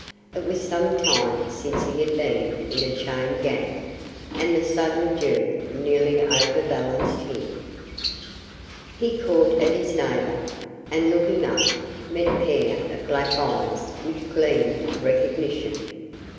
It was some time since he had been in a chain gang, and the sudden jerk nearly overbalanced him. He caught at his neighbour, and looking up, met a pair of black eyes which gleamed recognition.